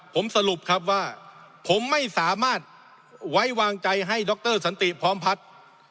ผมสรุปครับว่าผมไม่สามารถไว้วางใจให้ดรสันติพร้อมพัฒน์